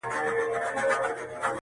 يو ځل ځان لره بوډۍ كړوپه پر ملا سه-